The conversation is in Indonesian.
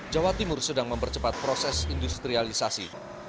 jawa timur sedang mempercepat proses industrialisasi